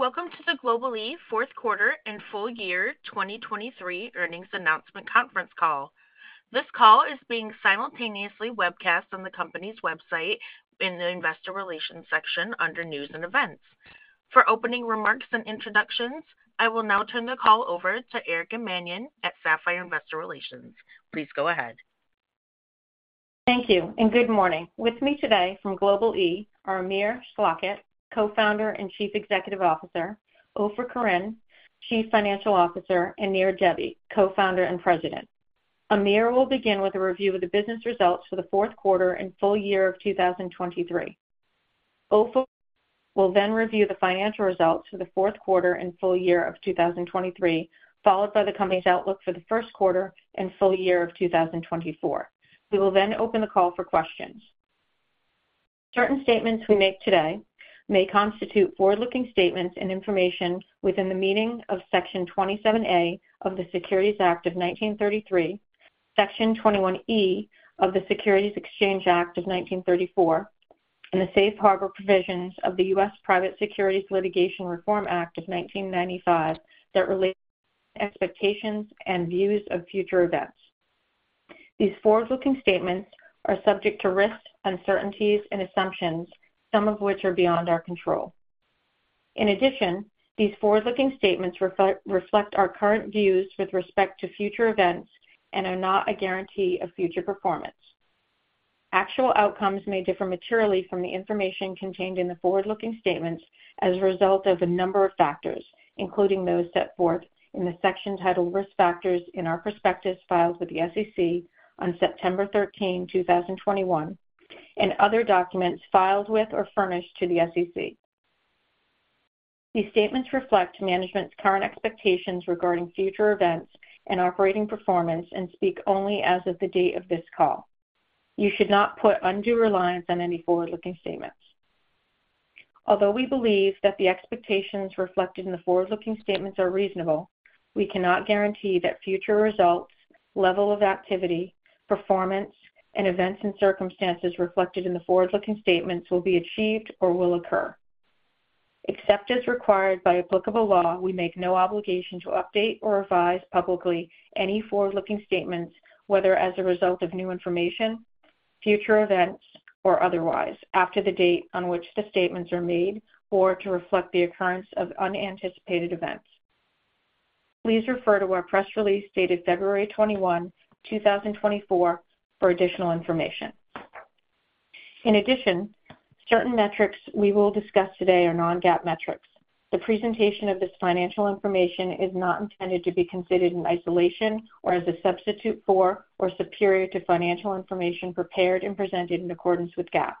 Welcome to the Global-e Fourth Quarter and Full Year 2023 earnings announcement conference call. This call is being simultaneously webcast on the company's website in the investor relations section under news and events. For opening remarks and introductions, I will now turn the call over to Erica Mannion at Sapphire Investor Relations. Please go ahead. Thank you, and good morning. With me today from Global-e are Amir Schlachet, Co-Founder and Chief Executive Officer, Ofer Koren, Chief Financial Officer, and Nir Debbi, Co-Founder and President. Amir will begin with a review of the business results for the fourth quarter and full year of 2023. Ofer will then review the financial results for the fourth quarter and full year of 2023, followed by the company's outlook for the first quarter and full year of 2024. We will then open the call for questions. Certain statements we make today may constitute forward-looking statements and information within the meaning of Section 27A of the Securities Act of 1933, Section 21E of the Securities Exchange Act of 1934, and the Safe Harbor Provisions of the U.S. Private Securities Litigation Reform Act of 1995 that relate to expectations and views of future events. These forward-looking statements are subject to risks, uncertainties, and assumptions, some of which are beyond our control. In addition, these forward-looking statements reflect our current views with respect to future events and are not a guarantee of future performance. Actual outcomes may differ materially from the information contained in the forward-looking statements as a result of a number of factors, including those set forth in the section titled Risk Factors in Our Prospectus Filed with the SEC on September 13, 2021, and other documents filed with or furnished to the SEC. These statements reflect management's current expectations regarding future events and operating performance and speak only as of the date of this call. You should not put undue reliance on any forward-looking statements. Although we believe that the expectations reflected in the forward-looking statements are reasonable, we cannot guarantee that future results, level of activity, performance, and events and circumstances reflected in the forward-looking statements will be achieved or will occur. Except as required by applicable law, we make no obligation to update or revise publicly any forward-looking statements, whether as a result of new information, future events, or otherwise, after the date on which the statements are made or to reflect the occurrence of unanticipated events. Please refer to our press release dated February 21, 2024, for additional information. In addition, certain metrics we will discuss today are Non-GAAP metrics. The presentation of this financial information is not intended to be considered in isolation or as a substitute for or superior to financial information prepared and presented in accordance with GAAP.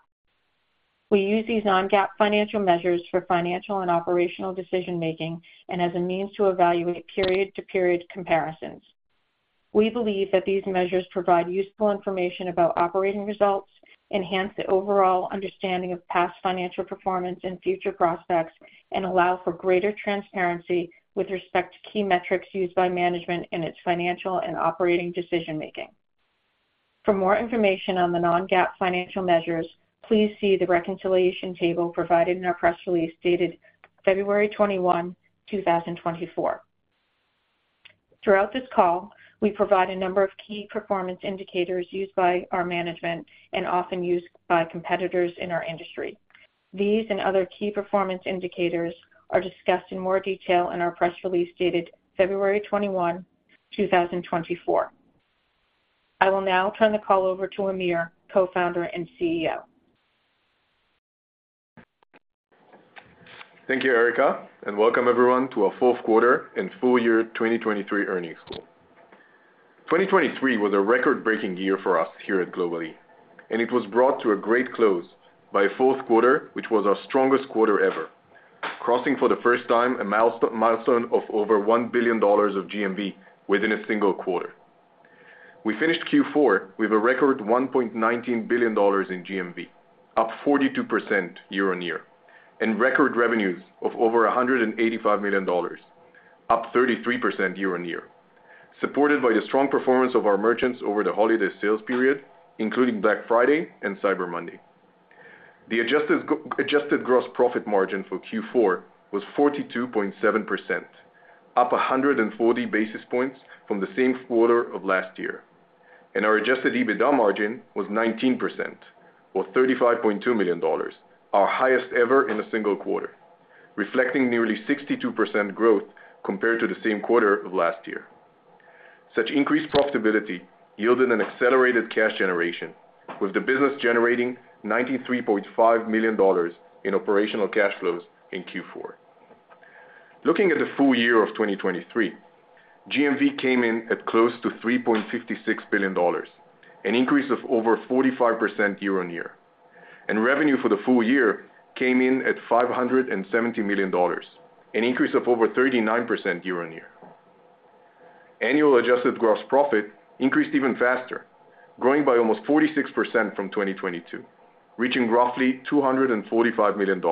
We use these non-GAAP financial measures for financial and operational decision-making and as a means to evaluate period-to-period comparisons. We believe that these measures provide useful information about operating results, enhance the overall understanding of past financial performance and future prospects, and allow for greater transparency with respect to key metrics used by management in its financial and operating decision-making. For more information on the non-GAAP financial measures, please see the reconciliation table provided in our press release dated February 21, 2024. Throughout this call, we provide a number of key performance indicators used by our management and often used by competitors in our industry. These and other key performance indicators are discussed in more detail in our press release dated February 21, 2024. I will now turn the call over to Amir, Co-Founder and CEO. Thank you, Erica, and welcome everyone to our fourth quarter and full year 2023 earnings call. 2023 was a record-breaking year for us here at Global-e, and it was brought to a great close by a fourth quarter which was our strongest quarter ever, crossing for the first time a milestone of over $1 billion of GMV within a single quarter. We finished Q4 with a record $1.19 billion in GMV, up 42% year-over-year, and record revenues of over $185 million, up 33% year-over-year, supported by the strong performance of our merchants over the holiday sales period, including Black Friday and Cyber Monday. The adjusted gross profit margin for Q4 was 42.7%, up 140 basis points from the same quarter of last year, and our Adjusted EBITDA margin was 19%, or $35.2 million, our highest ever in a single quarter, reflecting nearly 62% growth compared to the same quarter of last year. Such increased profitability yielded an accelerated cash generation, with the business generating $93.5 million in operational cash flows in Q4. Looking at the full year of 2023, GMV came in at close to $3.56 billion, an increase of over 45% year-over-year, and revenue for the full year came in at $570 million, an increase of over 39% year-over-year. Annual adjusted gross profit increased even faster, growing by almost 46% from 2022, reaching roughly $245 million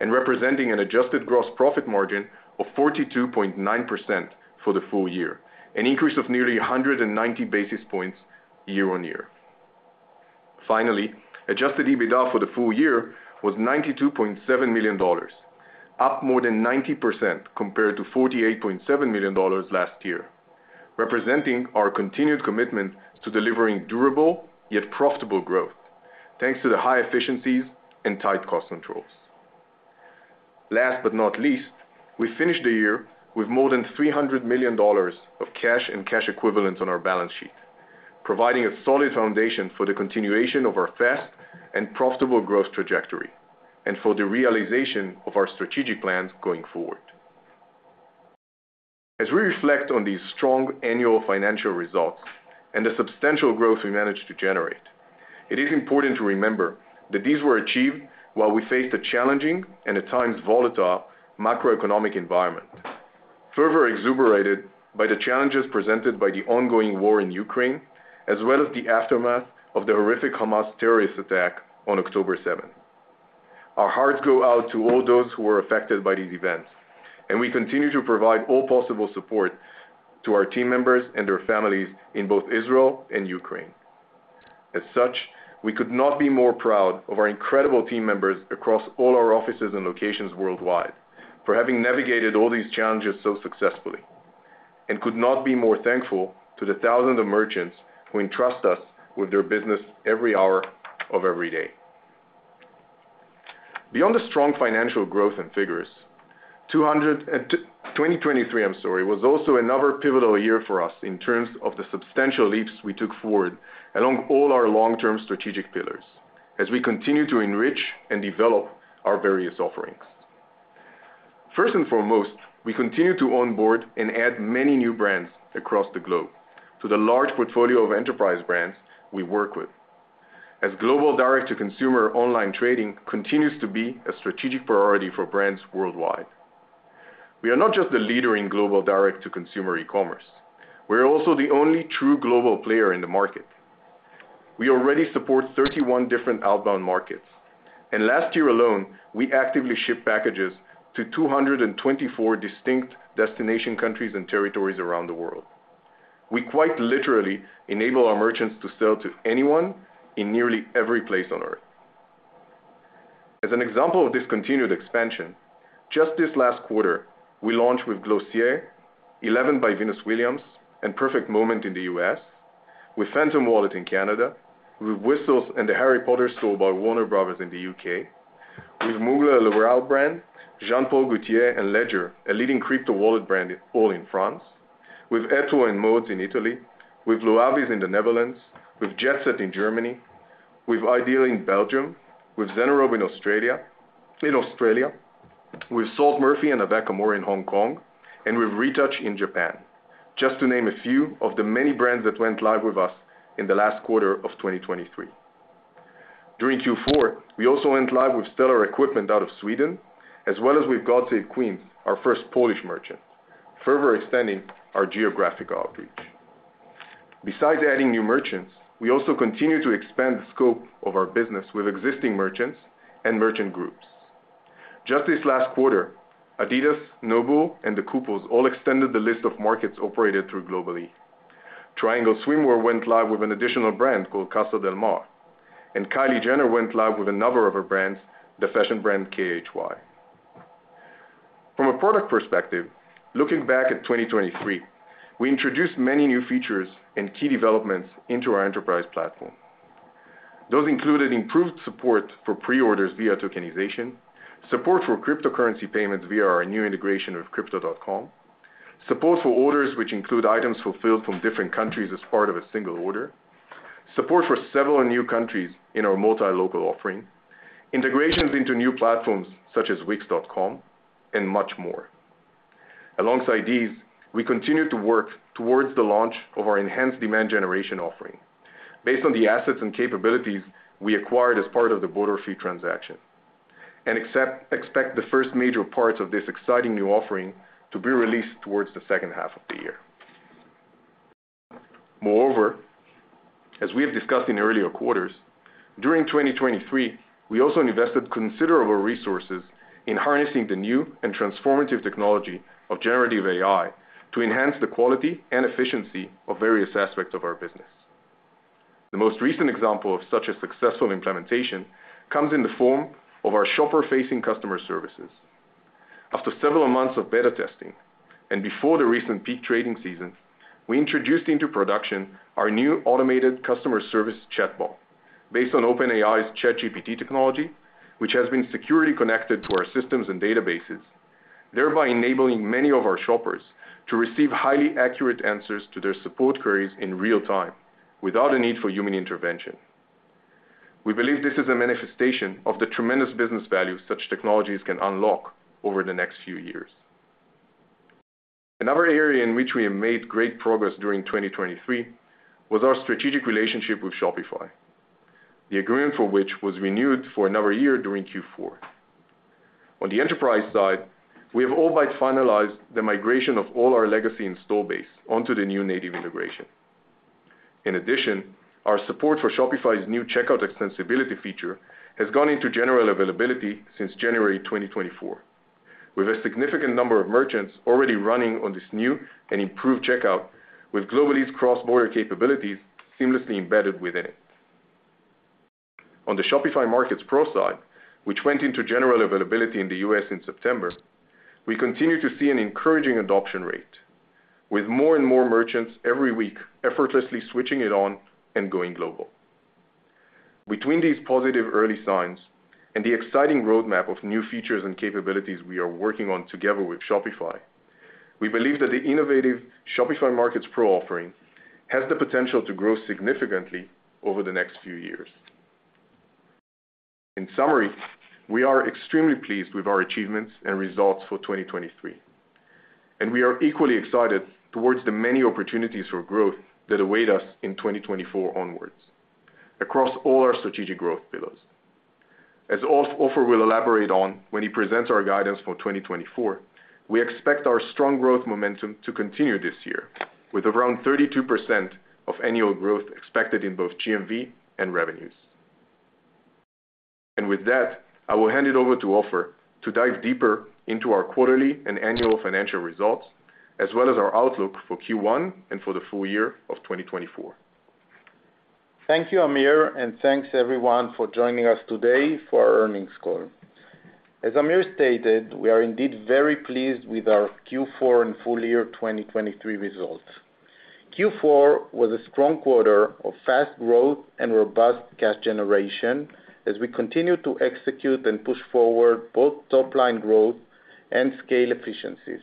and representing an adjusted gross profit margin of 42.9% for the full year, an increase of nearly 190 basis points year-over-year. Finally, Adjusted EBITDA for the full year was $92.7 million, up more than 90% compared to $48.7 million last year, representing our continued commitment to delivering durable yet profitable growth thanks to the high efficiencies and tight cost controls. Last but not least, we finished the year with more than $300 million of cash and cash equivalent on our balance sheet, providing a solid foundation for the continuation of our fast and profitable growth trajectory and for the realization of our strategic plans going forward. As we reflect on these strong annual financial results and the substantial growth we managed to generate, it is important to remember that these were achieved while we faced a challenging and at times volatile macroeconomic environment, further exacerbated by the challenges presented by the ongoing war in Ukraine as well as the aftermath of the horrific Hamas terrorist attack on October 7. Our hearts go out to all those who were affected by these events, and we continue to provide all possible support to our team members and their families in both Israel and Ukraine. As such, we could not be more proud of our incredible team members across all our offices and locations worldwide for having navigated all these challenges so successfully and could not be more thankful to the thousands of merchants who entrust us with their business every hour of every day. Beyond the strong financial growth and figures, 2023, I'm sorry, was also another pivotal year for us in terms of the substantial leaps we took forward along all our long-term strategic pillars as we continue to enrich and develop our various offerings. First and foremost, we continue to onboard and add many new brands across the globe to the large portfolio of enterprise brands we work with, as global direct-to-consumer online trading continues to be a strategic priority for brands worldwide. We are not just the leader in global direct-to-consumer e-commerce. We are also the only true global player in the market. We already support 31 different outbound markets, and last year alone, we actively ship packages to 224 distinct destination countries and territories around the world. We quite literally enable our merchants to sell to anyone in nearly every place on Earth. As an example of this continued expansion, just this last quarter, we launched with Glossier, EleVen by Venus Williams, and Perfect Moment in the U.S.; with Phantom Wallet in Canada; with Whistles and the Harry Potter Store by Warner Bros. in the U.K.; with Mugler, L'Oréal brand; Jean Paul Gaultier and Ledger, a leading crypto wallet brand, all in France; with Etro and MODES in Italy; with Loavies in the Netherlands; with JetSet in Germany; with iDeal in Belgium; with ZANEROBE in Australia; with SALT MURPHY and Avec Amour in Hong Kong; and with RETØUCH in Japan, just to name a few of the many brands that went live with us in the last quarter of 2023. During Q4, we also went live with Stellar Equipment out of Sweden, as well as with God Save Queens, our first Polish merchant, further extending our geographic outreach. Besides adding new merchants, we also continue to expand the scope of our business with existing merchants and merchant groups. Just this last quarter, adidas, NOBULL, and The Kooples all extended the list of markets operated through Global-e. Triangl Swimwear went live with an additional brand called Casa Del Mar, and Kylie Jenner went live with another of her brands, the fashion brand KHY. From a product perspective, looking back at 2023, we introduced many new features and key developments into our Enterprise platform. Those included improved support for preorders via tokenization, support for cryptocurrency payments via our new integration with Crypto.com, support for orders which include items fulfilled from different countries as part of a single order, support for several new countries in our Multilocal offering, integrations into new platforms such as Wix.com, and much more. Alongside these, we continue to work towards the launch of our enhanced demand generation offering based on the assets and capabilities we acquired as part of the Borderfree transaction and expect the first major parts of this exciting new offering to be released towards the second half of the year. Moreover, as we have discussed in earlier quarters, during 2023, we also invested considerable resources in harnessing the new and transformative technology of generative AI to enhance the quality and efficiency of various aspects of our business. The most recent example of such a successful implementation comes in the form of our shopper-facing customer services. After several months of beta testing and before the recent peak trading season, we introduced into production our new automated customer service chatbot based on OpenAI's ChatGPT technology, which has been securely connected to our systems and databases, thereby enabling many of our shoppers to receive highly accurate answers to their support queries in real time without a need for human intervention. We believe this is a manifestation of the tremendous business value such technologies can unlock over the next few years. Another area in which we made great progress during 2023 was our strategic relationship with Shopify, the agreement for which was renewed for another year during Q4. On the enterprise side, we have albeit finalized the migration of all our legacy install base onto the new native integration. In addition, our support for Shopify's new checkout extensibility feature has gone into general availability since January 2024, with a significant number of merchants already running on this new and improved checkout, with Global-e's cross-border capabilities seamlessly embedded within it. On the Shopify Markets Pro side, which went into general availability in the U.S. in September, we continue to see an encouraging adoption rate, with more and more merchants every week effortlessly switching it on and going global. Between these positive early signs and the exciting roadmap of new features and capabilities we are working on together with Shopify, we believe that the innovative Shopify Markets Pro offering has the potential to grow significantly over the next few years. In summary, we are extremely pleased with our achievements and results for 2023, and we are equally excited towards the many opportunities for growth that await us in 2024 onwards across all our strategic growth pillars. As Ofer will elaborate on when he presents our guidance for 2024, we expect our strong growth momentum to continue this year with around 32% of annual growth expected in both GMV and revenues. With that, I will hand it over to Ofer to dive deeper into our quarterly and annual financial results as well as our outlook for Q1 and for the full year of 2024. Thank you, Amir, and thanks everyone for joining us today for our earnings call. As Amir stated, we are indeed very pleased with our Q4 and full year 2023 results. Q4 was a strong quarter of fast growth and robust cash generation as we continue to execute and push forward both top-line growth and scale efficiencies.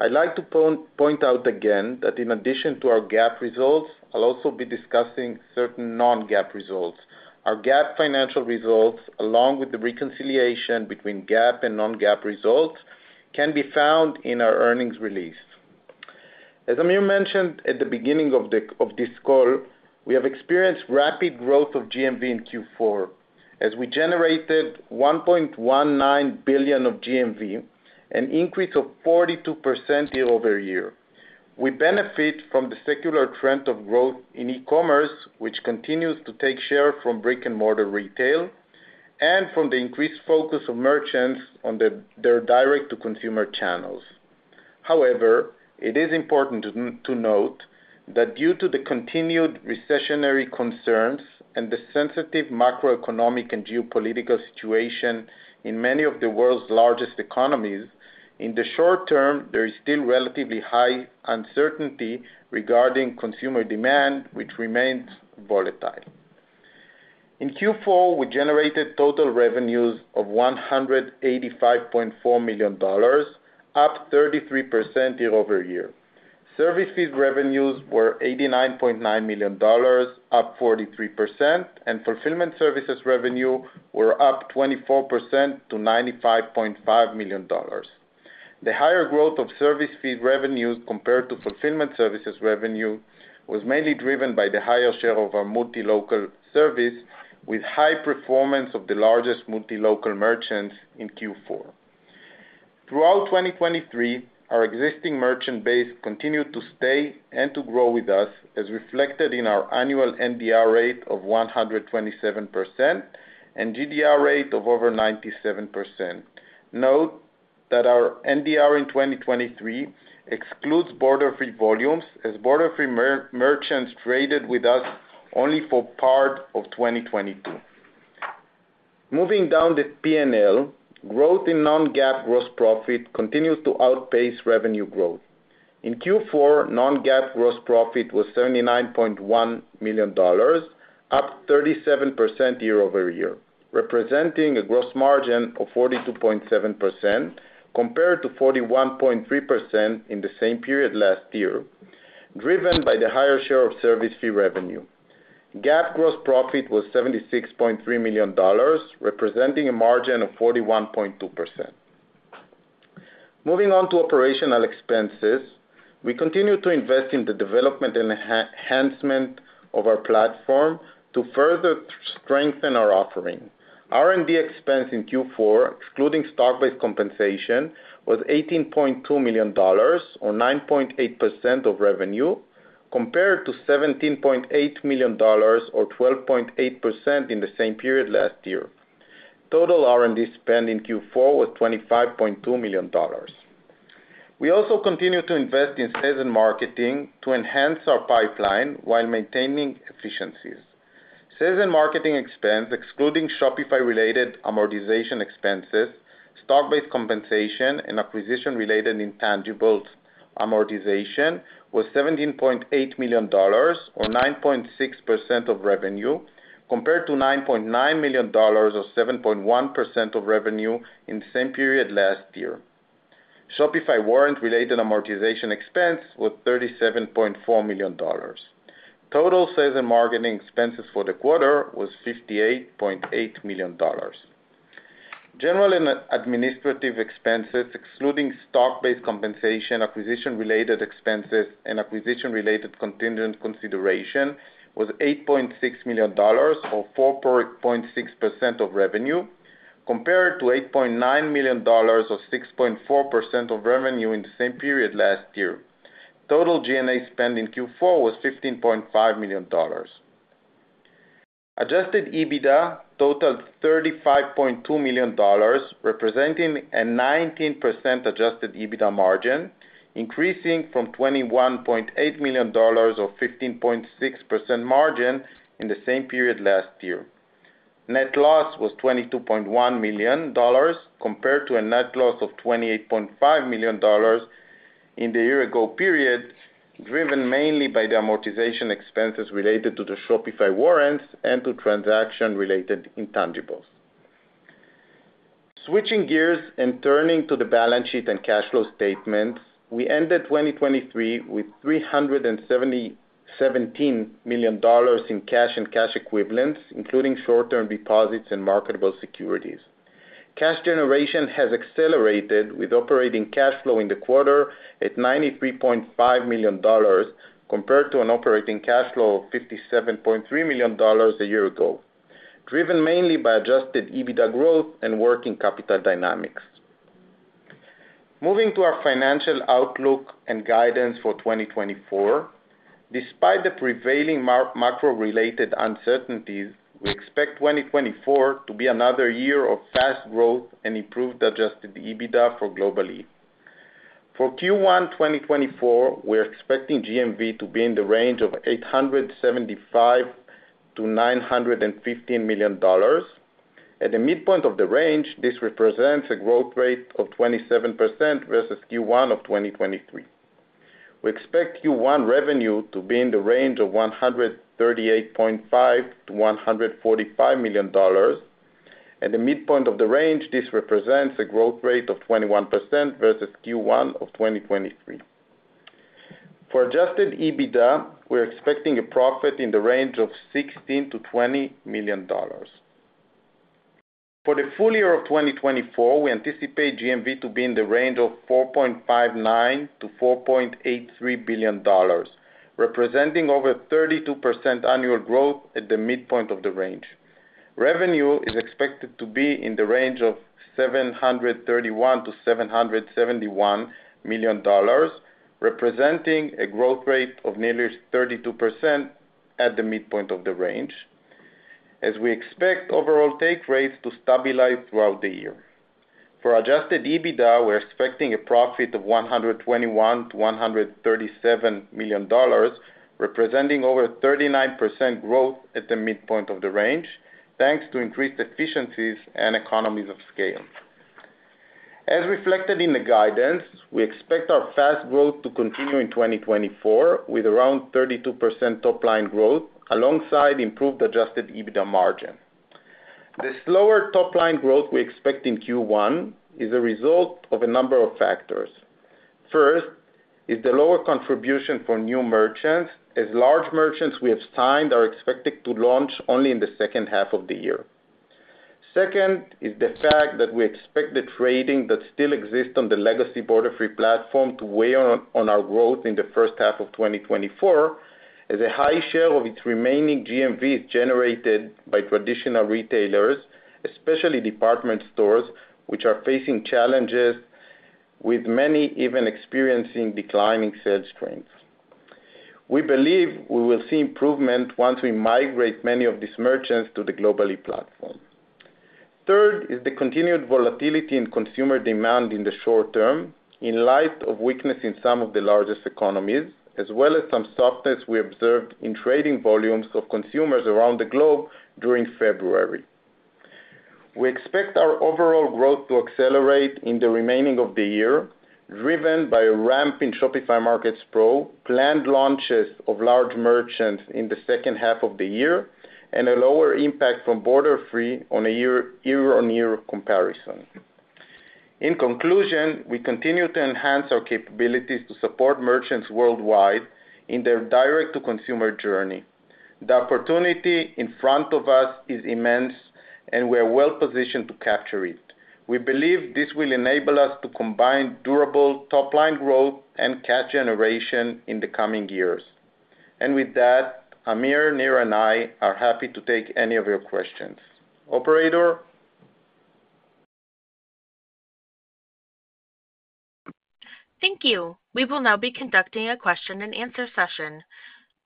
I'd like to point out again that in addition to our GAAP results, I'll also be discussing certain non-GAAP results. Our GAAP financial results, along with the reconciliation between GAAP and non-GAAP results, can be found in our earnings release. As Amir mentioned at the beginning of this call, we have experienced rapid growth of GMV in Q4 as we generated $1.19 billion of GMV, an increase of 42% year-over-year. We benefit from the secular trend of growth in e-commerce, which continues to take share from brick-and-mortar retail and from the increased focus of merchants on their direct-to-consumer channels. However, it is important to note that due to the continued recessionary concerns and the sensitive macroeconomic and geopolitical situation in many of the world's largest economies, in the short term, there is still relatively high uncertainty regarding consumer demand, which remains volatile. In Q4, we generated total revenues of $185.4 million, up 33% year-over-year. Service fees revenues were $89.9 million, up 43%, and fulfillment services revenue were up 24% to $95.5 million. The higher growth of service fees revenues compared to fulfillment services revenue was mainly driven by the higher share of our Multilocal service, with high performance of the largest Multilocal merchants in Q4. Throughout 2023, our existing merchant base continued to stay and to grow with us, as reflected in our annual NDR rate of 127% and GDR rate of over 97%. Note that our NDR in 2023 excludes Borderfree volumes, as Borderfree merchants traded with us only for part of 2022. Moving down the P&L, growth in non-GAAP gross profit continues to outpace revenue growth. In Q4, non-GAAP gross profit was $79.1 million, up 37% year-over-year, representing a gross margin of 42.7% compared to 41.3% in the same period last year, driven by the higher share of service fee revenue. GAAP gross profit was $76.3 million, representing a margin of 41.2%. Moving on to operational expenses, we continue to invest in the development and enhancement of our platform to further strengthen our offering. R&D expense in Q4, excluding stock-based compensation, was $18.2 million, or 9.8% of revenue, compared to $17.8 million, or 12.8% in the same period last year. Total R&D spend in Q4 was $25.2 million. We also continue to invest in sales and marketing to enhance our pipeline while maintaining efficiencies. Sales and marketing expense, excluding Shopify-related amortization expenses, stock-based compensation, and acquisition-related intangibles amortization, was $17.8 million, or 9.6% of revenue, compared to $9.9 million, or 7.1% of revenue in the same period last year. Shopify warrant-related amortization expense was $37.4 million. Total sales and marketing expenses for the quarter was $58.8 million. General and administrative expenses, excluding stock-based compensation, acquisition-related expenses, and acquisition-related contingent consideration, was $8.6 million, or 4.6% of revenue, compared to $8.9 million, or 6.4% of revenue in the same period last year. Total G&A spend in Q4 was $15.5 million. Adjusted EBITDA totaled $35.2 million, representing a 19% Adjusted EBITDA margin, increasing from $21.8 million, or 15.6% margin, in the same period last year. Net loss was $22.1 million, compared to a net loss of $28.5 million in the year-ago period, driven mainly by the amortization expenses related to the Shopify warrants and to transaction-related intangibles. Switching gears and turning to the balance sheet and cash flow statements, we ended 2023 with $317 million in cash and cash equivalents, including short-term deposits and marketable securities. Cash generation has accelerated, with operating cash flow in the quarter at $93.5 million compared to an operating cash flow of $57.3 million a year ago, driven mainly by Adjusted EBITDA growth and working capital dynamics. Moving to our financial outlook and guidance for 2024, despite the prevailing macro-related uncertainties, we expect 2024 to be another year of fast growth and improved Adjusted EBITDA for Global-e. For Q1 2024, we're expecting GMV to be in the range of $875-$915 million. At the midpoint of the range, this represents a growth rate of 27% versus Q1 of 2023. We expect Q1 revenue to be in the range of $138.5-$145 million. At the midpoint of the range, this represents a growth rate of 21% versus Q1 of 2023. For Adjusted EBITDA, we're expecting a profit in the range of $16-$20 million. For the full year of 2024, we anticipate GMV to be in the range of $4.59-$4.83 billion, representing over 32% annual growth at the midpoint of the range. Revenue is expected to be in the range of $731-$771 million, representing a growth rate of nearly 32% at the midpoint of the range, as we expect overall take rates to stabilize throughout the year. For Adjusted EBITDA, we're expecting a profit of $121-$137 million, representing over 39% growth at the midpoint of the range, thanks to increased efficiencies and economies of scale. As reflected in the guidance, we expect our fast growth to continue in 2024 with around 32% top-line growth alongside improved Adjusted EBITDA margin. The slower top-line growth we expect in Q1 is a result of a number of factors. First is the lower contribution for new merchants, as large merchants we have signed are expected to launch only in the second half of the year. Second is the fact that we expect the trading that still exists on the legacy Borderfree platform to weigh on our growth in the first half of 2024, as a high share of its remaining GMV is generated by traditional retailers, especially department stores, which are facing challenges, with many even experiencing declining sales strength. We believe we will see improvement once we migrate many of these merchants to the Global-e platform. Third is the continued volatility in consumer demand in the short term, in light of weakness in some of the largest economies, as well as some softness we observed in trading volumes of consumers around the globe during February. We expect our overall growth to accelerate in the remainder of the year, driven by a ramp in Shopify Markets Pro, planned launches of large merchants in the second half of the year, and a lower impact from Borderfree on a year-on-year comparison. In conclusion, we continue to enhance our capabilities to support merchants worldwide in their direct-to-consumer journey. The opportunity in front of us is immense, and we are well positioned to capture it. We believe this will enable us to combine durable top-line growth and cash generation in the coming years. And with that, Amir, Nir, and I are happy to take any of your questions. Operator? Thank you. We will now be conducting a question-and-answer session.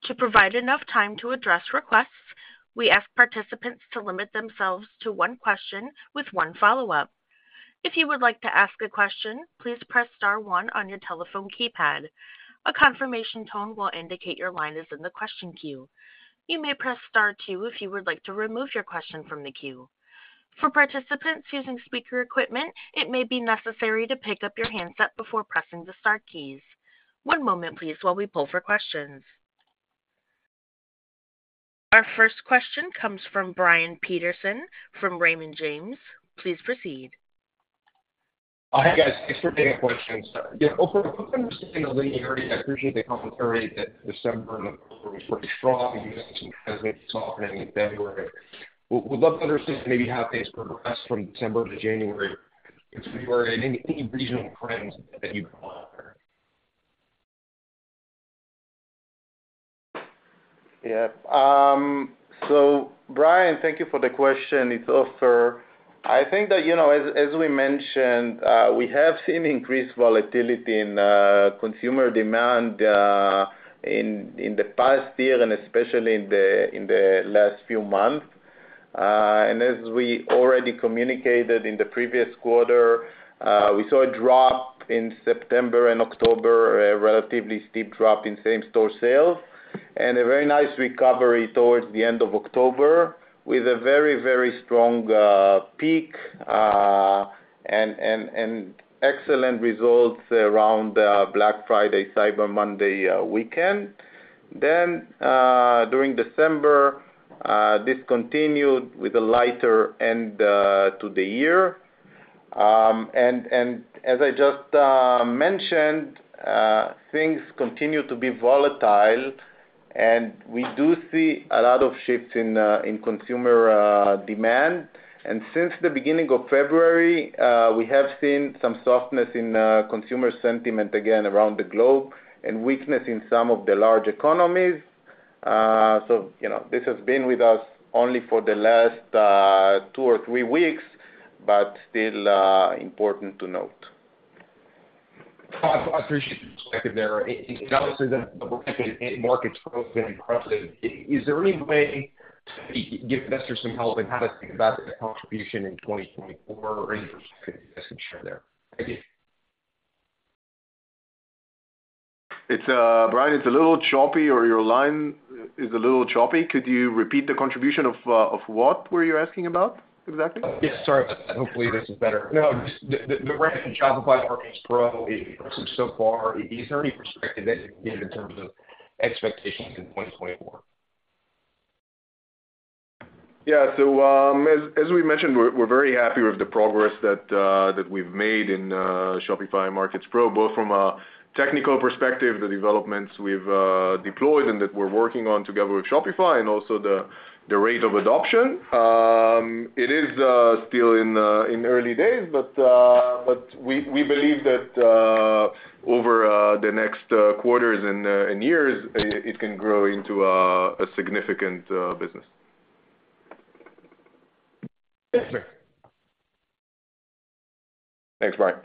To provide enough time to address requests, we ask participants to limit themselves to one question with one follow-up. If you would like to ask a question, please press star one on your telephone keypad. A confirmation tone will indicate your line is in the question queue. You may press star two if you would like to remove your question from the queue. For participants using speaker equipment, it may be necessary to pick up your handset before pressing the star keys. One moment, please, while we pull for questions. Our first question comes from Brian Peterson from Raymond James. Please proceed. Hi, guys. Thanks for taking the questions. For a quick understanding of linearity, I appreciate the commentary that December and October were pretty strong. You mentioned some kind of softening in February. We'd love to understand maybe how things progressed from December to January to February and any regional trends that you've gone after. Yep. So Brian, thank you for the question. It's Ofer. I think that, as we mentioned, we have seen increased volatility in consumer demand in the past year and especially in the last few months. As we already communicated in the previous quarter, we saw a drop in September and October, a relatively steep drop in same-store sales, and a very nice recovery towards the end of October with a very, very strong peak and excellent results around Black Friday, Cyber Monday weekend. Then during December, this continued with a lighter end to the year. And as I just mentioned, things continue to be volatile, and we do see a lot of shifts in consumer demand. And since the beginning of February, we have seen some softness in consumer sentiment again around the globe and weakness in some of the large economies. This has been with us only for the last two or three weeks, but still important to note. I appreciate the perspective there. Obviously, the market's growth has been impressive. Is there any way to give investors some help in how to think about their contribution in 2024 or any perspective investment share there? Thank you. Brian, it's a little choppy, or your line is a little choppy. Could you repeat the contribution of what were you asking about exactly? Yeah. Sorry about that. Hopefully, this is better. No, just the ramp in Shopify Markets Pro, it progresses so far. Is there any perspective that you can give in terms of expectations in 2024? Yeah. So as we mentioned, we're very happy with the progress that we've made in Shopify Markets Pro, both from a technical perspective, the developments we've deployed and that we're working on together with Shopify, and also the rate of adoption. It is still in early days, but we believe that over the next quarters and years, it can grow into a significant business. Thanks, Brian.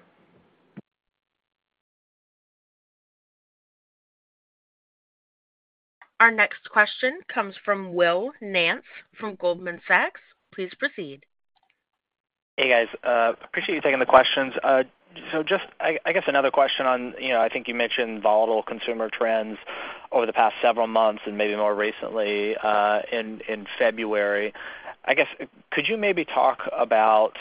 Our next question comes from Will Nance from Goldman Sachs. Please proceed. Hey, guys. Appreciate you taking the questions. So just, I guess, another question on—I think you mentioned volatile consumer trends over the past several months and maybe more recently in February. I guess, could you maybe talk about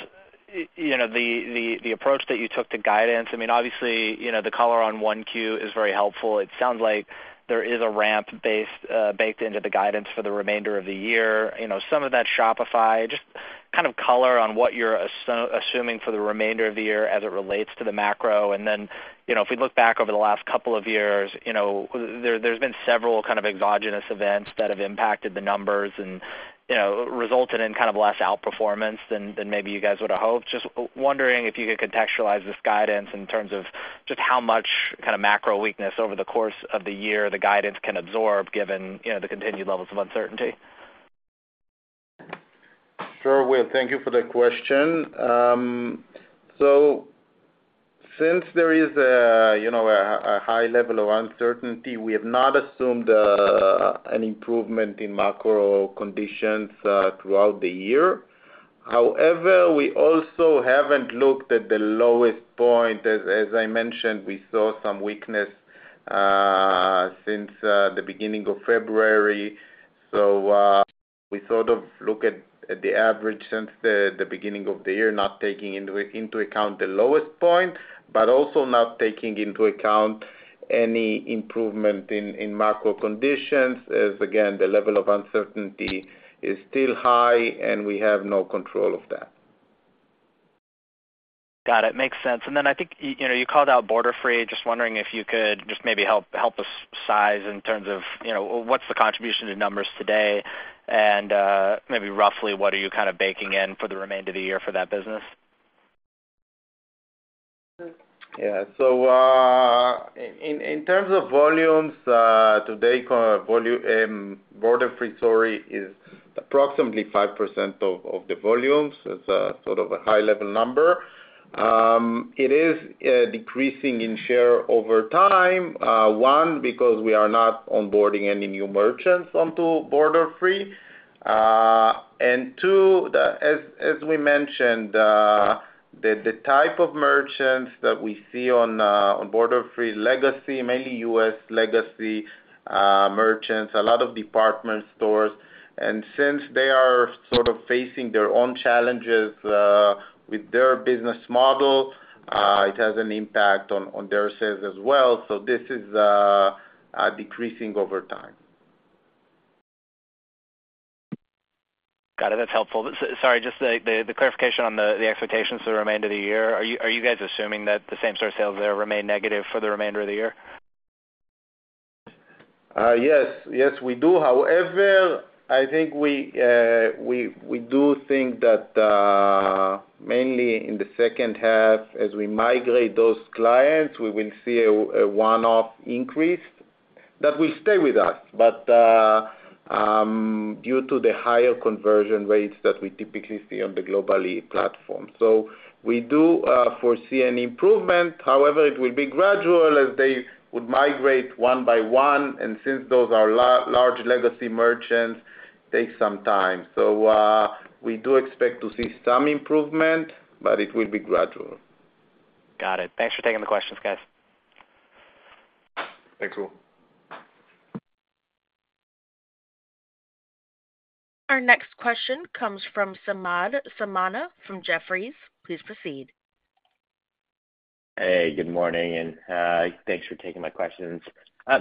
the approach that you took to guidance? I mean, obviously, the color on Q1 is very helpful. It sounds like there is a ramp baked into the guidance for the remainder of the year. Some of that Shopify, just kind of color on what you're assuming for the remainder of the year as it relates to the macro. And then if we look back over the last couple of years, there's been several kind of exogenous events that have impacted the numbers and resulted in kind of less outperformance than maybe you guys would have hoped. Just wondering if you could contextualize this guidance in terms of just how much kind of macro weakness over the course of the year the guidance can absorb given the continued levels of uncertainty? Sure will. Thank you for the question. So since there is a high level of uncertainty, we have not assumed an improvement in macro conditions throughout the year. However, we also haven't looked at the lowest point. As I mentioned, we saw some weakness since the beginning of February. So we sort of look at the average since the beginning of the year, not taking into account the lowest point, but also not taking into account any improvement in macro conditions, as again, the level of uncertainty is still high, and we have no control of that. Got it. Makes sense. And then I think you called out Borderfree. Just wondering if you could just maybe help us size in terms of what's the contribution to numbers today and maybe roughly what are you kind of baking in for the remainder of the year for that business? Yeah. So in terms of volumes today, Borderfree story is approximately 5% of the volumes. It's sort of a high-level number. It is decreasing in share over time, one, because we are not onboarding any new merchants onto Borderfree. And two, as we mentioned, the type of merchants that we see on Borderfree, legacy, mainly U.S. legacy merchants, a lot of department stores. And since they are sort of facing their own challenges with their business model, it has an impact on their sales as well. So this is decreasing over time. Got it. That's helpful. Sorry, just the clarification on the expectations for the remainder of the year. Are you guys assuming that the same-store sales there remain negative for the remainder of the year? Yes. Yes, we do. However, I think we do think that mainly in the second half, as we migrate those clients, we will see a one-off increase that will stay with us, but due to the higher conversion rates that we typically see on the Global-e platform. So we do foresee an improvement. However, it will be gradual as they would migrate one by one. And since those are large legacy merchants, it takes some time. So we do expect to see some improvement, but it will be gradual. Got it. Thanks for taking the questions, guys. Thanks, Will. Our next question comes from Samana from Jefferies. Please proceed. Hey, good morning. Thanks for taking my questions.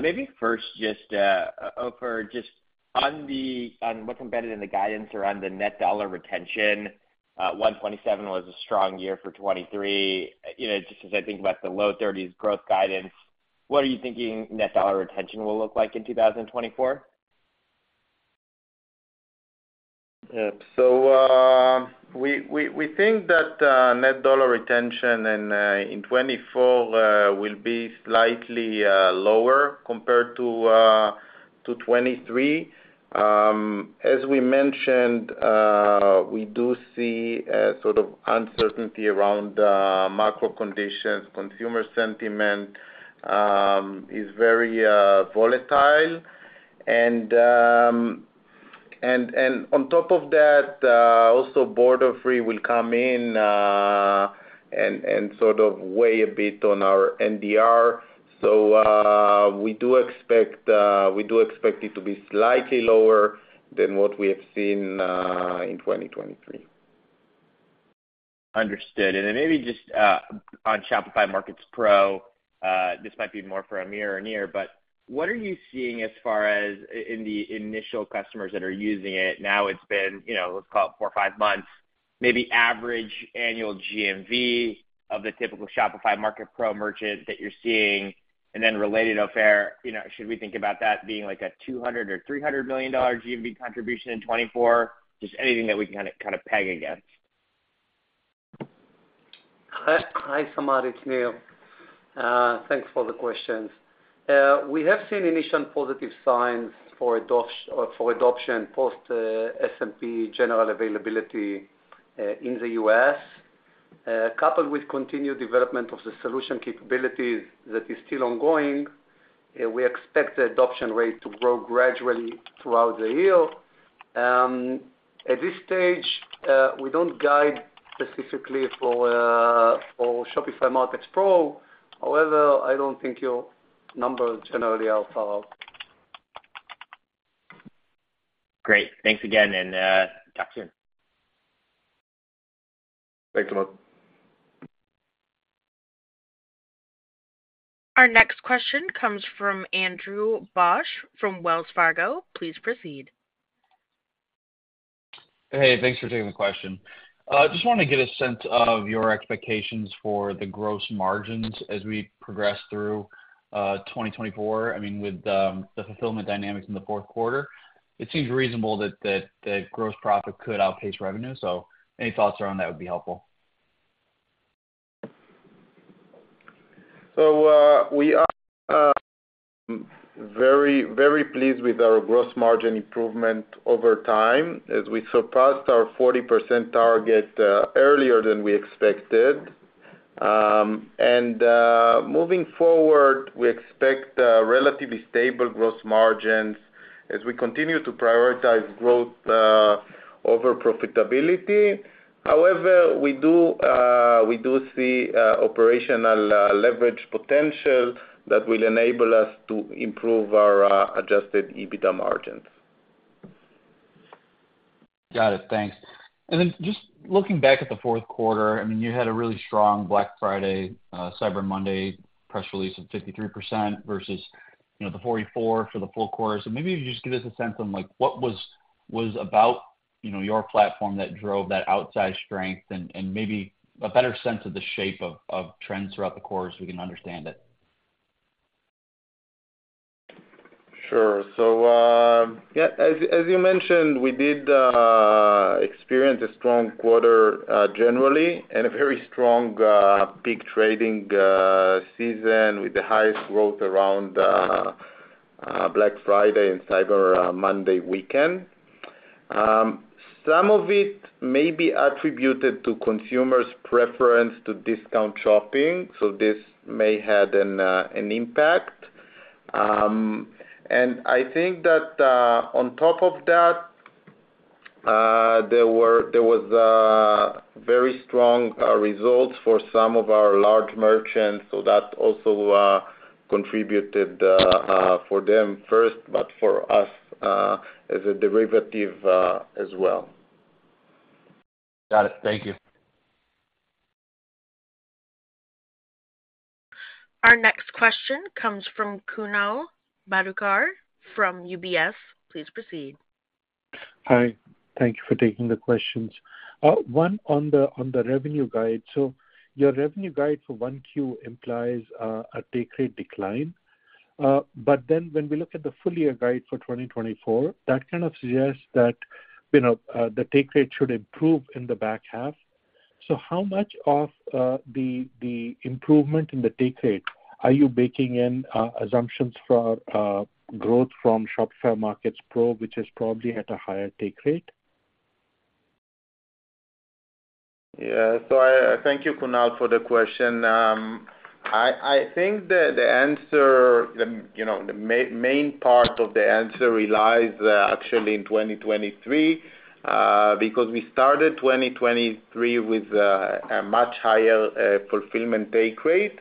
Maybe first, just Ofer, just on what's embedded in the guidance around the net dollar retention, 127 was a strong year for 2023. Just as I think about the low 30s growth guidance, what are you thinking net dollar retention will look like in 2024? So we think that net dollar retention in 2024 will be slightly lower compared to 2023. As we mentioned, we do see sort of uncertainty around macro conditions. Consumer sentiment is very volatile. And on top of that, also, Borderfree will come in and sort of weigh a bit on our NDR. So we do expect it to be slightly lower than what we have seen in 2023. Understood. And then maybe just on Shopify Markets Pro, this might be more for Amir or Nir, but what are you seeing as far as in the initial customers that are using it? Now it's been, let's call it, four, five months, maybe average annual GMV of the typical Shopify Markets Pro merchant that you're seeing. And then related, Ofer, should we think about that being a $200 million or $300 million GMV contribution in 2024? Just anything that we can kind of peg against. Hi, Samana. It's Nir. Thanks for the questions. We have seen initial positive signs for adoption post-SMP general availability in the U.S. Coupled with continued development of the solution capabilities that is still ongoing, we expect the adoption rate to grow gradually throughout the year. At this stage, we don't guide specifically for Shopify Markets Pro. However, I don't think your numbers generally are far out. Great. Thanks again, and talk soon. Thanks, Samana. Our next question comes from Andrew Bauch from Wells Fargo. Please proceed. Hey, thanks for taking the question. Just want to get a sense of your expectations for the gross margins as we progress through 2024. I mean, with the fulfillment dynamics in the fourth quarter, it seems reasonable that gross profit could outpace revenue. So any thoughts around that would be helpful. We are very, very pleased with our gross margin improvement over time as we surpassed our 40% target earlier than we expected. Moving forward, we expect relatively stable gross margins as we continue to prioritize growth over profitability. However, we do see operational leverage potential that will enable us to improve our Adjusted EBITDA margins. Got it. Thanks. And then just looking back at the fourth quarter, I mean, you had a really strong Black Friday, Cyber Monday press release of 53% versus the 44% for the full quarter. So maybe if you just give us a sense of what was about your platform that drove that outside strength and maybe a better sense of the shape of trends throughout the quarter as we can understand it? Sure. So yeah, as you mentioned, we did experience a strong quarter generally and a very strong peak trading season with the highest growth around Black Friday and Cyber Monday weekend. Some of it may be attributed to consumers' preference to discount shopping. So this may have had an impact. And I think that on top of that, there were very strong results for some of our large merchants. So that also contributed for them first, but for us as a derivative as well. Got it. Thank you. Our next question comes from Kunal Madhukar from UBS. Please proceed. Hi. Thank you for taking the questions. One, on the revenue guide, so your revenue guide for Q1 implies a take-rate decline. But then when we look at the full-year guide for 2024, that kind of suggests that the take rate should improve in the back half. So how much of the improvement in the take rate are you baking in assumptions for growth from Shopify Markets Pro, which is probably at a higher take rate? Yeah. So thank you, Kunal, for the question. I think the answer, the main part of the answer relies actually in 2023 because we started 2023 with a much higher fulfillment take rate.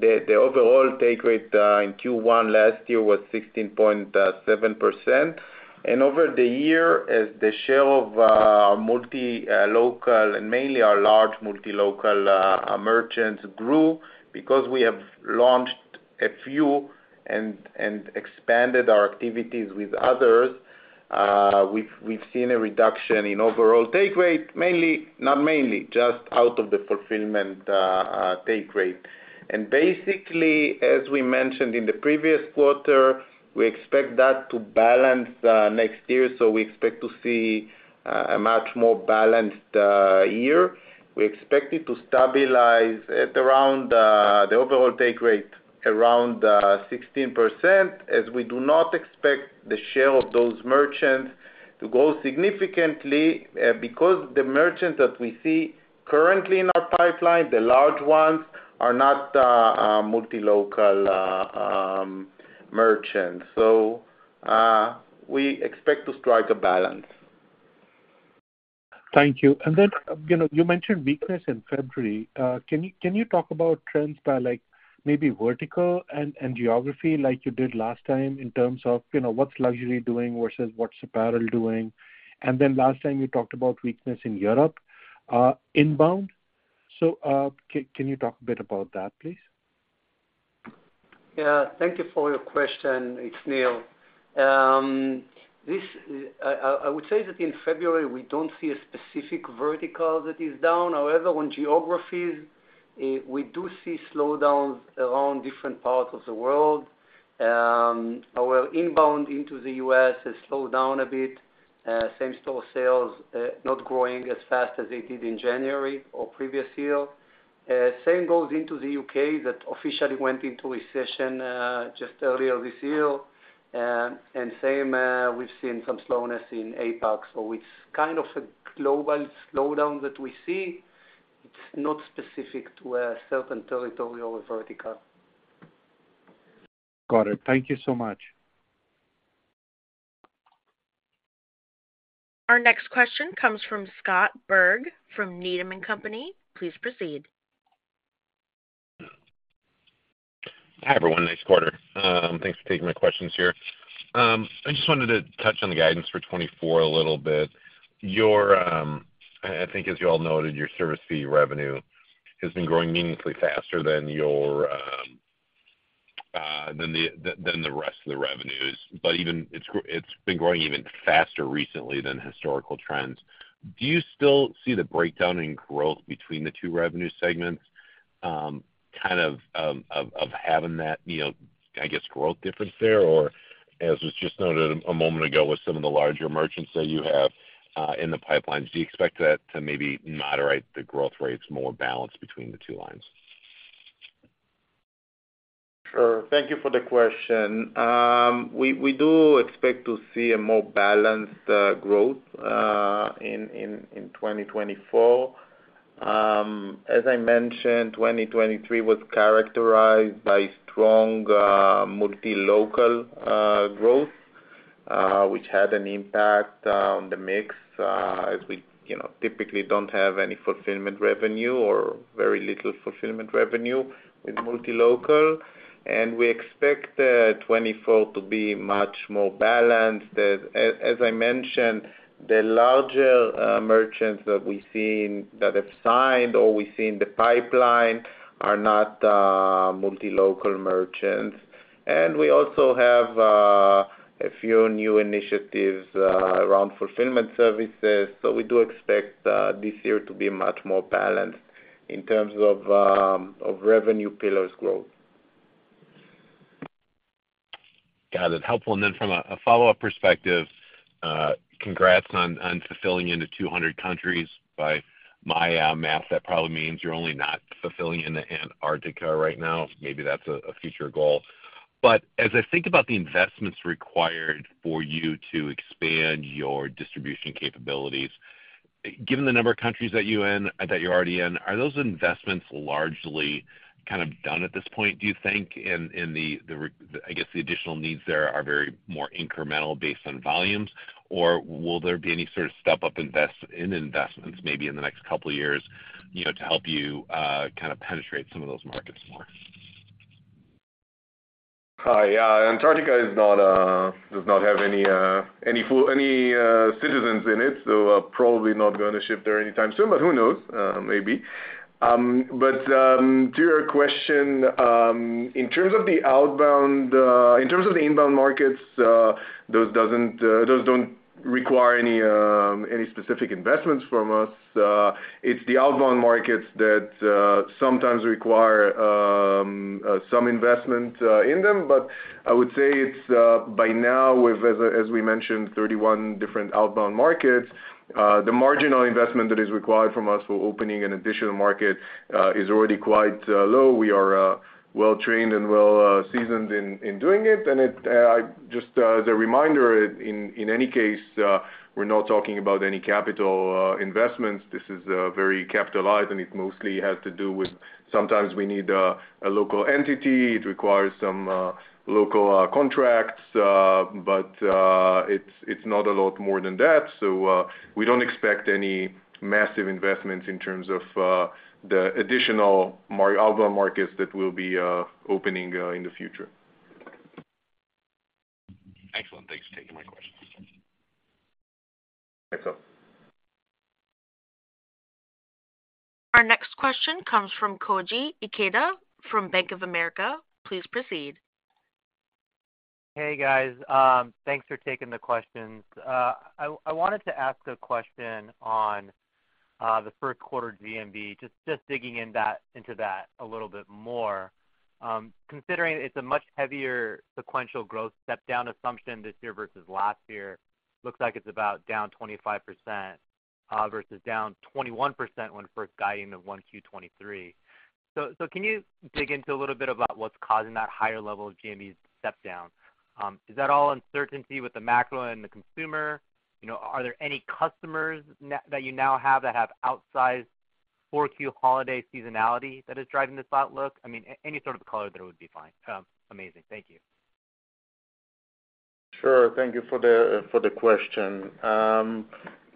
The overall take rate in Q1 last year was 16.7%. And over the year, as the share of our Multilocal and mainly our large Multilocal merchants grew because we have launched a few and expanded our activities with others, we've seen a reduction in overall take rate, mainly not mainly, just out of the fulfillment take rate. And basically, as we mentioned in the previous quarter, we expect that to balance next year. So we expect to see a much more balanced year. We expect it to stabilize at around the overall Take Rate around 16%, as we do not expect the share of those merchants to grow significantly because the merchants that we see currently in our pipeline, the large ones, are not Multilocal merchants. We expect to strike a balance. Thank you. And then you mentioned weakness in February. Can you talk about trends by maybe vertical and geography like you did last time in terms of what's Luxury doing versus what's Apparel doing? And then last time, you talked about weakness in Europe, inbound. So can you talk a bit about that, please? Yeah. Thank you for your question. It's Nir. I would say that in February, we don't see a specific vertical that is down. However, on geographies, we do see slowdowns around different parts of the world. Our inbound into the U.S. has slowed down a bit, same-store sales not growing as fast as they did in January or previous year. Same goes into the U.K. that officially went into recession just earlier this year. And same, we've seen some slowness in APAC. So it's kind of a global slowdown that we see. It's not specific to a certain territory or a vertical. Got it. Thank you so much. Our next question comes from Scott Berg from Needham & Company. Please proceed. Hi everyone. Nice quarter. Thanks for taking my questions here. I just wanted to touch on the guidance for 2024 a little bit. I think, as you all noted, your service fee revenue has been growing meaningfully faster than the rest of the revenues. But it's been growing even faster recently than historical trends. Do you still see the breakdown in growth between the two revenue segments, kind of of having that, I guess, growth difference there? Or as was just noted a moment ago with some of the larger merchants that you have in the pipelines, do you expect that to maybe moderate the growth rates more balanced between the two lines? Sure. Thank you for the question. We do expect to see a more balanced growth in 2024. As I mentioned, 2023 was characterized by strong Multilocal growth, which had an impact on the mix as we typically don't have any fulfillment revenue or very little fulfillment revenue with Multilocal. We expect 2024 to be much more balanced. As I mentioned, the larger merchants that we've seen that have signed or we've seen in the pipeline are not Multilocal merchants. We also have a few new initiatives around fulfillment services. So we do expect this year to be much more balanced in terms of revenue pillars growth. Got it. Helpful. And then from a follow-up perspective, congrats on fulfilling into 200 countries. By my math, that probably means you're only not fulfilling in Antarctica right now. Maybe that's a future goal. But as I think about the investments required for you to expand your distribution capabilities, given the number of countries that you're already in, are those investments largely kind of done at this point, do you think? And I guess the additional needs there are very more incremental based on volumes. Or will there be any sort of step-up investments maybe in the next couple of years to help you kind of penetrate some of those markets more? Hi. Antarctica does not have any citizens in it, so probably not going to ship there anytime soon. But who knows? Maybe. But to your question, in terms of the outbound in terms of the inbound markets, those don't require any specific investments from us. It's the outbound markets that sometimes require some investment in them. But I would say it's by now, as we mentioned, 31 different outbound markets. The marginal investment that is required from us for opening an additional market is already quite low. We are well-trained and well-seasoned in doing it. And just as a reminder, in any case, we're not talking about any capital investments. This is very capitalized, and it mostly has to do with sometimes we need a local entity. It requires some local contracts. But it's not a lot more than that. We don't expect any massive investments in terms of the additional outbound markets that will be opening in the future. Excellent. Thanks for taking my questions. Thanks, Scott. Our next question comes from Koji Ikeda from Bank of America. Please proceed. Hey, guys. Thanks for taking the questions. I wanted to ask a question on the first-quarter GMV, just digging into that a little bit more. Considering it's a much heavier sequential growth step-down assumption this year versus last year, it looks like it's about down 25% versus down 21% when first guiding the 1Q23. So can you dig into a little bit about what's causing that higher level of GMV step-down? Is that all uncertainty with the macro and the consumer? Are there any customers that you now have that have outsized 4Q holiday seasonality that is driving this outlook? I mean, any sort of color there would be fine. Amazing. Thank you. Sure. Thank you for the question.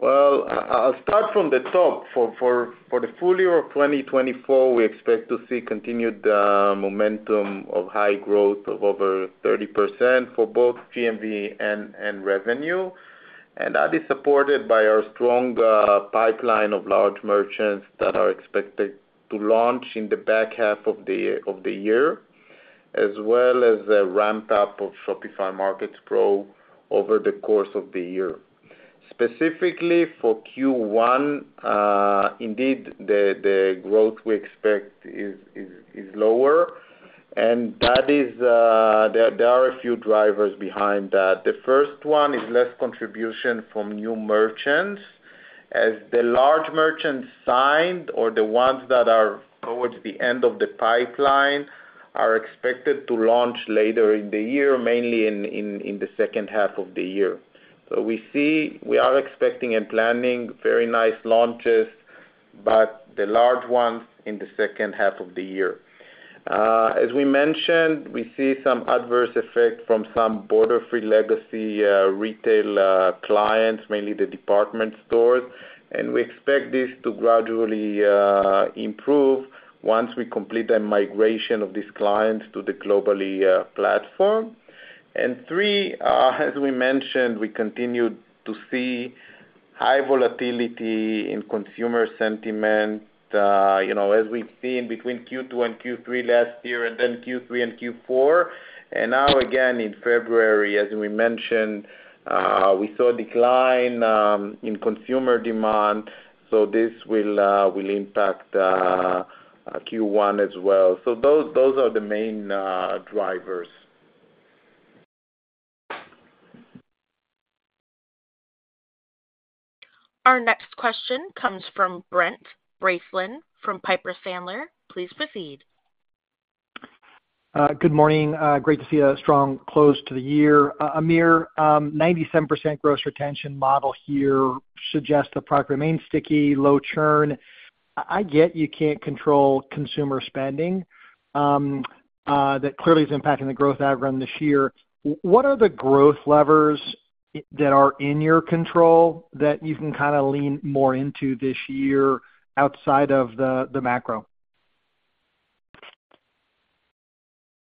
Well, I'll start from the top. For the full year of 2024, we expect to see continued momentum of high growth of over 30% for both GMV and revenue. And that is supported by our strong pipeline of large merchants that are expected to launch in the back half of the year as well as a ramp-up of Shopify Markets Pro over the course of the year. Specifically for Q1, indeed, the growth we expect is lower. And there are a few drivers behind that. The first one is less contribution from new merchants as the large merchants signed or the ones that are towards the end of the pipeline are expected to launch later in the year, mainly in the second half of the year. So we are expecting and planning very nice launches, but the large ones in the second half of the year. As we mentioned, we see some adverse effect from some Borderfree legacy retail clients, mainly the department stores. And we expect this to gradually improve once we complete the migration of these clients to the Global-e platform. And three, as we mentioned, we continue to see high volatility in consumer sentiment as we've seen between Q2 and Q3 last year and then Q3 and Q4. And now again, in February, as we mentioned, we saw a decline in consumer demand. So this will impact Q1 as well. So those are the main drivers. Our next question comes from Brent Braceland from Piper Sandler. Please proceed. Good morning. Great to see a strong close to the year. Amir, 97% gross retention model here suggests the product remains sticky, low churn. I get you can't control consumer spending that clearly is impacting the growth algorithm this year. What are the growth levers that are in your control that you can kind of lean more into this year outside of the macro?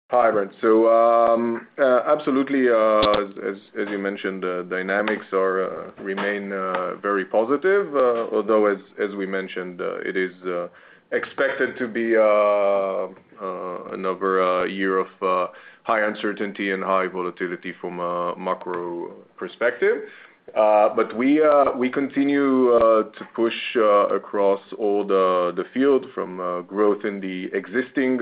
Hi, Brent. So absolutely, as you mentioned, dynamics remain very positive. Although, as we mentioned, it is expected to be another year of high uncertainty and high volatility from a macro perspective. But we continue to push across all the field from growth in the existing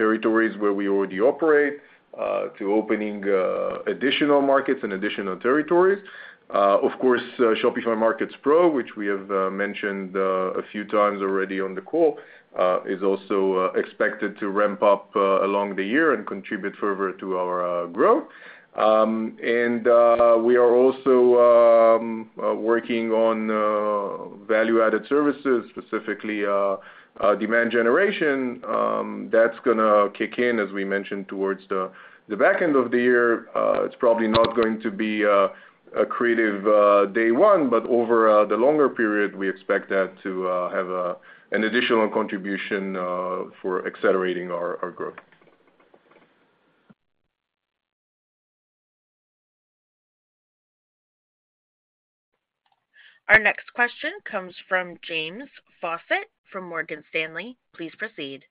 territories where we already operate to opening additional markets and additional territories. Of course, Shopify Markets Pro, which we have mentioned a few times already on the call, is also expected to ramp up along the year and contribute further to our growth. And we are also working on value-added services, specifically demand generation. That's going to kick in, as we mentioned, towards the back end of the year. It's probably not going to be a great day one, but over the longer period, we expect that to have an additional contribution for accelerating our growth. Our next question comes from James Fawcette from Morgan Stanley. Please proceed.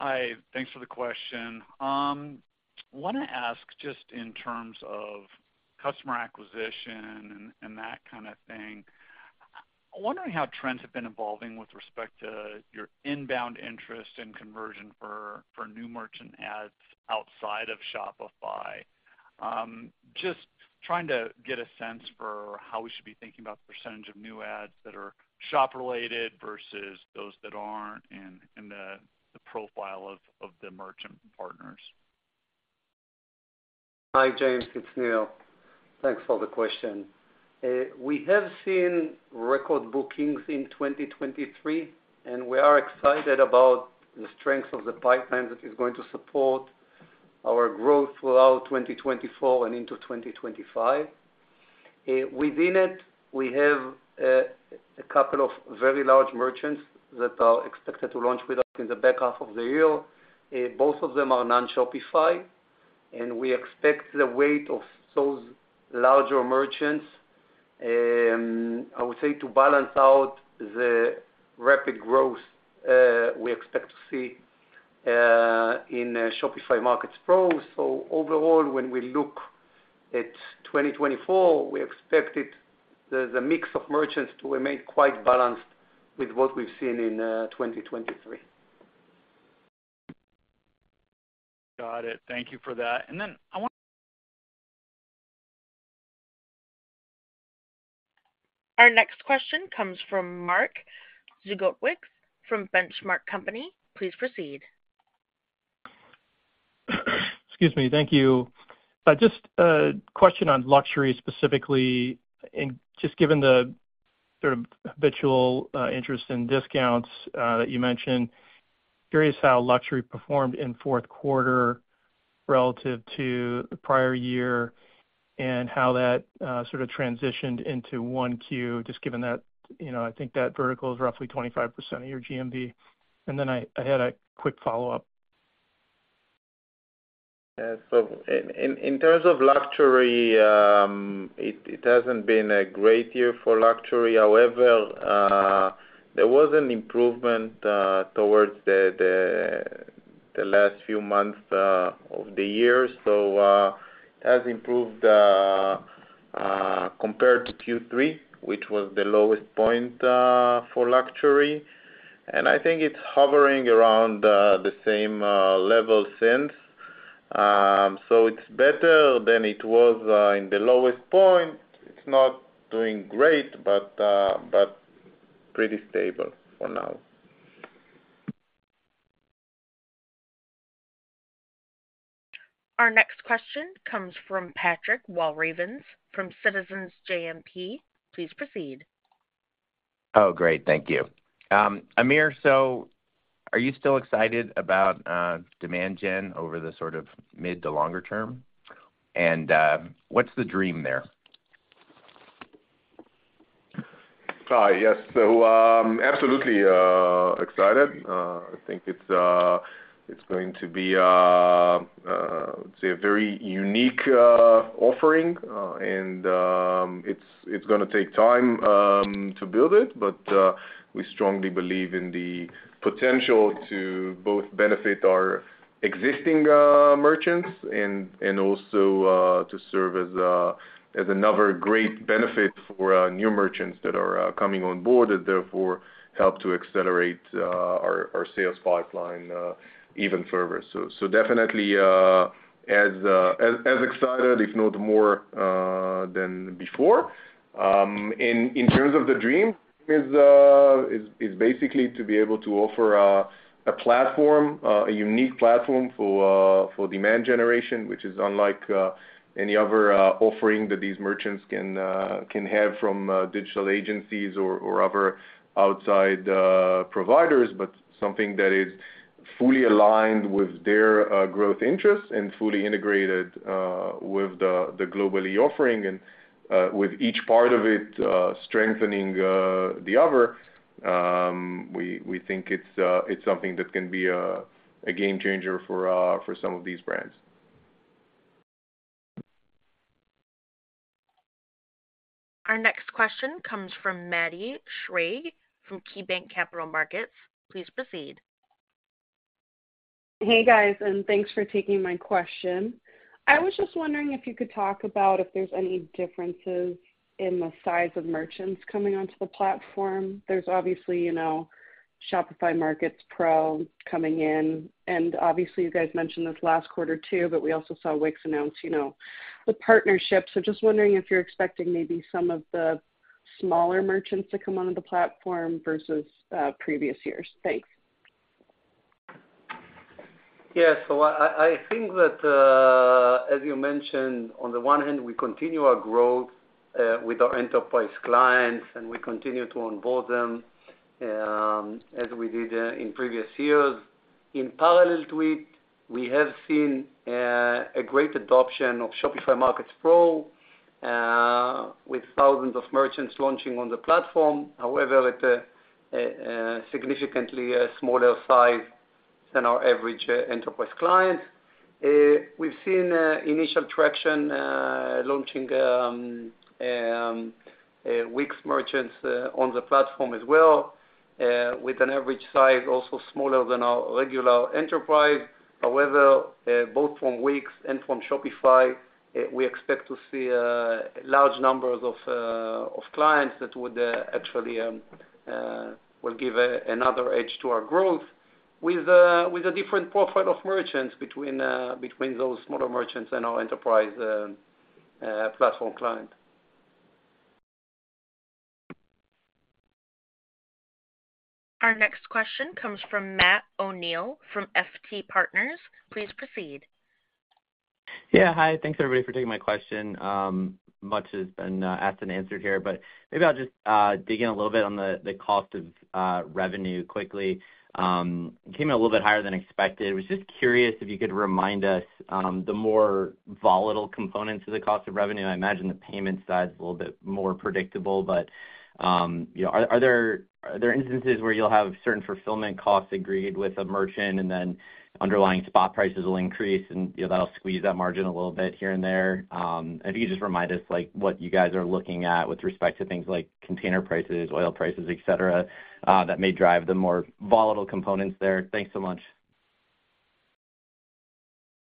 Hi. Thanks for the question. I want to ask just in terms of customer acquisition and that kind of thing. I'm wondering how trends have been evolving with respect to your inbound interest and conversion for new merchant ads outside of Shopify, just trying to get a sense for how we should be thinking about the percentage of new ads that are shop-related versus those that aren't in the profile of the merchant partners. Hi, James. It's Nir. Thanks for the question. We have seen record bookings in 2023, and we are excited about the strength of the pipelines that is going to support our growth throughout 2024 and into 2025. Within it, we have a couple of very large merchants that are expected to launch with us in the back half of the year. Both of them are non-Shopify. And we expect the weight of those larger merchants, I would say, to balance out the rapid growth we expect to see in Shopify Markets Pro. So overall, when we look at 2024, we expect the mix of merchants to remain quite balanced with what we've seen in 2023. Got it. Thank you for that. Then I want to. Our next question comes from Mark Zgutowicz from Benchmark Company. Please proceed. Excuse me. Thank you. Just a question on luxury specifically. Just given the sort of habitual interest in discounts that you mentioned, curious how luxury performed in fourth quarter relative to the prior year and how that sort of transitioned into one-Q, just given that I think that vertical is roughly 25% of your GMV. I had a quick follow-up. In terms of luxury, it hasn't been a great year for luxury. However, there was an improvement towards the last few months of the year. It has improved compared to Q3, which was the lowest point for luxury. I think it's hovering around the same level since. It's better than it was in the lowest point. It's not doing great, but pretty stable for now. Our next question comes from Patrick Walravens from Citizens JMP. Please proceed. Oh, great. Thank you. Amir, so are you still excited about demand gen over the sort of mid to longer term? And what's the dream there? Hi. Yes. So absolutely excited. I think it's going to be, I would say, a very unique offering. And it's going to take time to build it, but we strongly believe in the potential to both benefit our existing merchants and also to serve as another great benefit for new merchants that are coming on board and therefore help to accelerate our sales pipeline even further. So definitely as excited, if not more than before. And in terms of the dream, it's basically to be able to offer a platform, a unique platform for demand generation, which is unlike any other offering that these merchants can have from digital agencies or other outside providers, but something that is fully aligned with their growth interests and fully integrated with the Global-e offering and with each part of it strengthening the other. We think it's something that can be a game-changer for some of these brands. Our next question comes from Maddie Schrage from KeyBanc Capital Markets. Please proceed. Hey, guys. Thanks for taking my question. I was just wondering if you could talk about if there's any differences in the size of merchants coming onto the platform. There's obviously Shopify Markets Pro coming in. You guys mentioned this last quarter too, but we also saw Wix announce the partnership. Just wondering if you're expecting maybe some of the smaller merchants to come onto the platform versus previous years. Thanks. Yes. So I think that, as you mentioned, on the one hand, we continue our growth with our enterprise clients, and we continue to onboard them as we did in previous years. In parallel to it, we have seen a great adoption of Shopify Markets Pro with thousands of merchants launching on the platform. However, it's a significantly smaller size than our average enterprise clients. We've seen initial traction launching Wix merchants on the platform as well with an average size also smaller than our regular enterprise. However, both from Wix and from Shopify, we expect to see large numbers of clients that would actually give another edge to our growth with a different profile of merchants between those smaller merchants and our enterprise platform client. Our next question comes from Matt O'Neill from FT Partners. Please proceed. Yeah. Hi. Thanks, everybody, for taking my question. Much has been asked and answered here, but maybe I'll just dig in a little bit on the cost of revenue quickly. It came in a little bit higher than expected. I was just curious if you could remind us the more volatile components of the cost of revenue. I imagine the payment side is a little bit more predictable, but are there instances where you'll have certain fulfillment costs agreed with a merchant and then underlying spot prices will increase, and that'll squeeze that margin a little bit here and there? And if you could just remind us what you guys are looking at with respect to things like container prices, oil prices, etc., that may drive the more volatile components there. Thanks so much.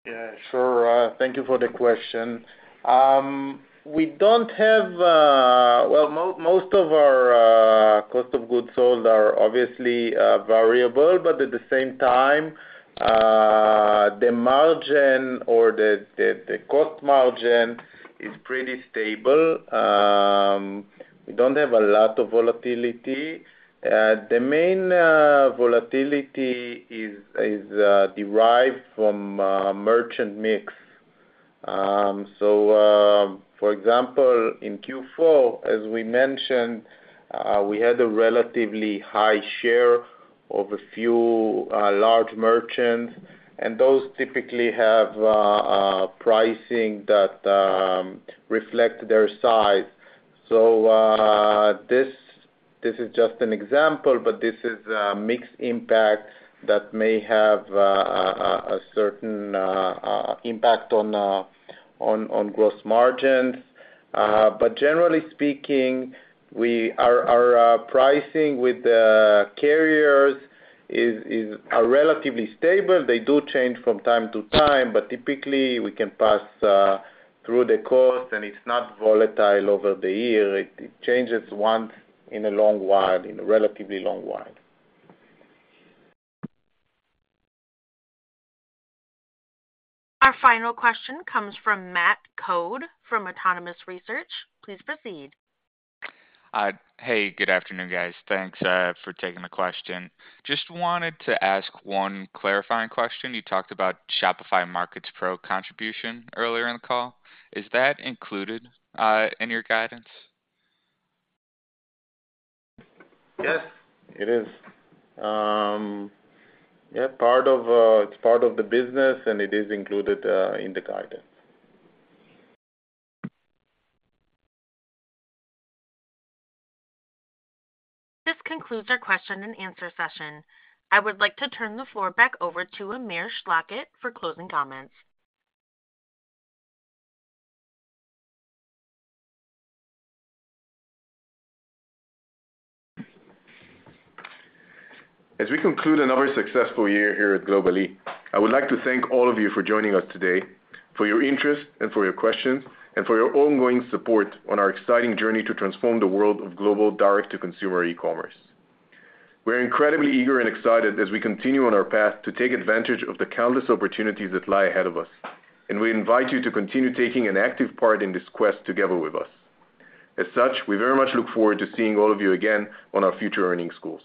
Yeah. Sure. Thank you for the question. We don't have, well, most of our cost of goods sold are obviously variable, but at the same time, the margin or the cost margin is pretty stable. We don't have a lot of volatility. The main volatility is derived from merchant mix. So, for example, in Q4, as we mentioned, we had a relatively high share of a few large merchants. And those typically have pricing that reflects their size. So this is just an example, but this is a mixed impact that may have a certain impact on gross margins. But generally speaking, our pricing with the carriers is relatively stable. They do change from time to time, but typically, we can pass through the cost, and it's not volatile over the year. It changes once in a relatively long while. Our final question comes from Matt Coad from Autonomous Research. Please proceed. Hey. Good afternoon, guys. Thanks for taking the question. Just wanted to ask one clarifying question. You talked about Shopify Markets Pro contribution earlier in the call. Is that included in your guidance? Yes, it is. Yeah. It's part of the business, and it is included in the guidance. This concludes our question and answer session. I would like to turn the floor back over to Amir Schlachet for closing comments. As we conclude another successful year here at Global-e, I would like to thank all of you for joining us today, for your interest and for your questions, and for your ongoing support on our exciting journey to transform the world of global direct-to-consumer e-commerce. We're incredibly eager and excited as we continue on our path to take advantage of the countless opportunities that lie ahead of us. We invite you to continue taking an active part in this quest together with us. As such, we very much look forward to seeing all of you again on our future earnings calls.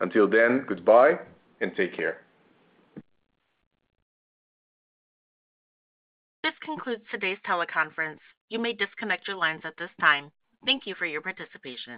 Until then, goodbye and take care. This concludes today's teleconference. You may disconnect your lines at this time. Thank you for your participation.